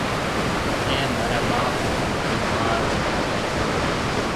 اَي مهارَي ٻاپ هانَ مهارِي مان رو گھر هيَ۔